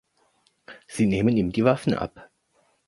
Sie nehmen ihm die Waffen ab.